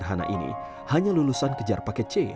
sederhana ini hanya lulusan kejar paket c